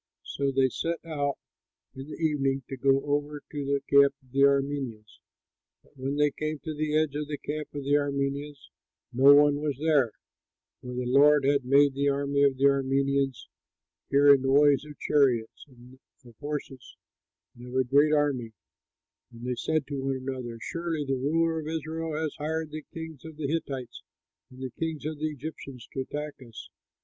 So they set out in the evening to go over to the camp of the Arameans. But when they came to the edge of the camp of the Arameans, no one was there, for the Lord had made the army of the Arameans hear a noise of chariots and of horses and of a great army, and they said to one another, "Surely the ruler of Israel has hired the kings of the Hittites and the kings of the Egyptians to attack us."